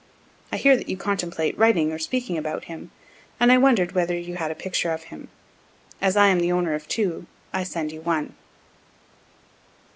I hear that you contemplate writing or speaking about him, and I wonder'd whether you had a picture of him. As I am the owner of two, I send you one."